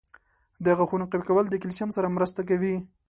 • د غاښونو قوي کول د کلسیم سره مرسته کوي.